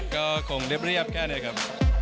ก็คงเรียบแค่นี้ครับ